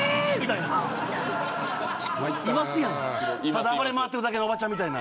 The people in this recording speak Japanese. ただ暴れ回ってるだけのおばちゃんみたいな。